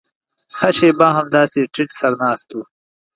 ښه شېبه همداسې ټيټ سر ناست و.